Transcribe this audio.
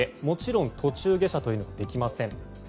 もちろん途中下車もできません。